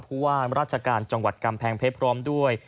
ผู้ว่าราชการจังหวัดกำแพงเพชรพร้อมด้วย